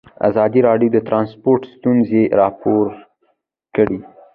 ازادي راډیو د ترانسپورټ ستونزې راپور کړي.